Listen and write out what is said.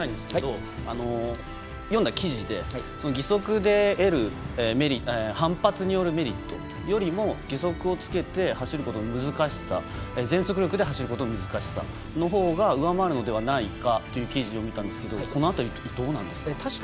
読んだ記事で義足で得る反発によるメリットよりも義足をつけて全速力で走ることの難しさというもののほうが上回るのではないかという記事を見たんですがこの辺り、どうなんですか？